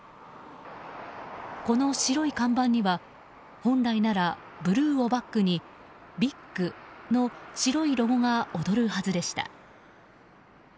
この白い看板には本来ならブルーをバックに「ＢＩＧ」の白いロゴが躍るはずでした。